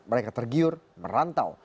mereka tergiur merantau